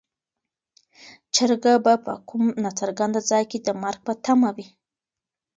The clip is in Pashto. چرګه به په کوم ناڅرګند ځای کې د مرګ په تمه وي.